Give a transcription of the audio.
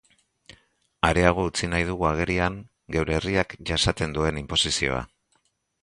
Areago utzi nahi dugu agerian geure herriak jasaten duen inposizioa.